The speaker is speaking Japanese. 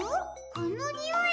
このにおい。